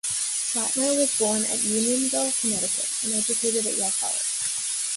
Platner was born at Unionville, Connecticut, and educated at Yale College.